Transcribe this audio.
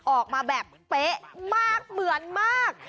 ออกมาแบบเป๊ะมากเหมือนมาก